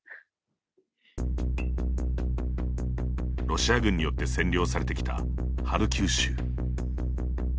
ロシア軍によって占領されてきたハルキウ州。